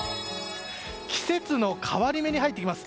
季節の変わり目に入ってきます。